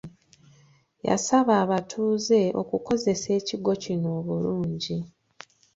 Yasaba abatuuze okukozesa ekigo kino obulungi.